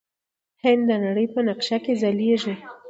هند د نړۍ په نقشه کې ځلیږي.